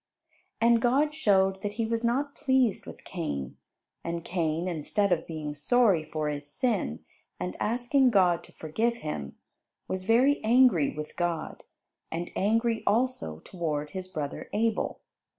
And God showed that He was not pleased with Cain; and Cain, instead of being sorry for his sin, and asking God to forgive him, was very angry with God, and angry also toward his brother Abel.